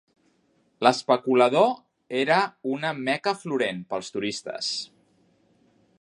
L"especulador era una "Mecca florent" pels turistes.